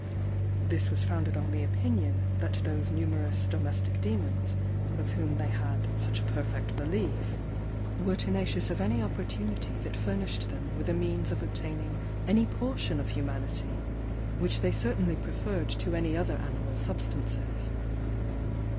This was founded on the opinion that those numerous domestic demons, of whom they had such a perfect belief, were tenacious of any opportunity THE VAMPYRE. 229 that furnished them with a means of obtaining any portion of humanity, which they certainly preferred to any other animal substances.